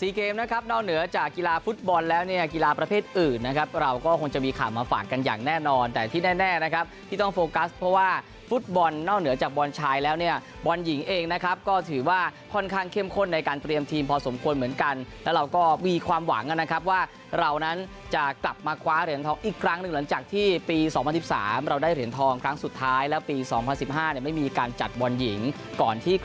สีเกมนะครับนอกเหนือจากกีฬาฟุตบอลแล้วเนี่ยกีฬาประเภทอื่นนะครับเราก็คงจะมีขามมาฝากกันอย่างแน่นอนแต่ที่แน่นะครับที่ต้องโฟกัสเพราะว่าฟุตบอลนอกเหนือจากบอลชายแล้วเนี่ยบอลหญิงเองนะครับก็ถือว่าค่อนข้างเข้มข้นในการเตรียมทีมพอสมควรเหมือนกันแล้วเราก็มีความหวังนะครับว่าเรานั้นจะก